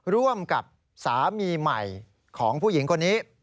ร่วมกับสามีใหม่ของผู้หญิงคนนี้